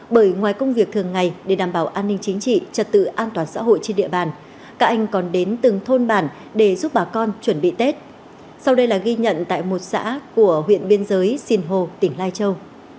bởi ngoài công việc thường ngày để đảm bảo an ninh chính trị trật tự an toàn xã hội trên địa bàn các anh còn đến từng thôn bản để giúp bà con chuẩn bị tết sau đây là ghi nhận tại một xã của huyện biên giới sinh hồ tỉnh lai châu